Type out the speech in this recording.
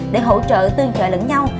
để hỗ trợ tương trợ lẫn nhau